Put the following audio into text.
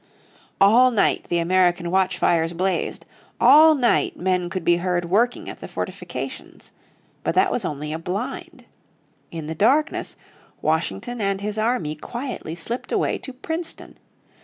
All night the American watchfires blazed, all night men could be heard working at the fortifications. But that was only a blind. In the darkness Washington and his army quietly slipped away to Princeton.